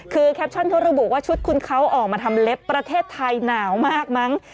คือแคปชั่นเขาระบุว่าชุดคุณเขาออกมาทำเล็บประเทศไทยหนาวมากมั้ง